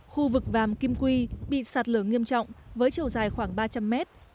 khu vực vàm kim quy bị sạt lở nghiêm trọng với chiều dài khoảng ba trăm linh mét